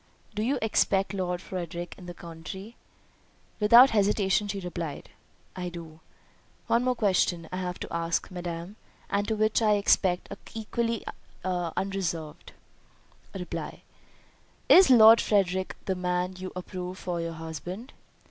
Do you expect Lord Frederick in the country?" Without hesitation she replied, "I do." "One more question I have to ask, madam, and to which I expect a reply equally unreserved. Is Lord Frederick the man you approve for your husband?"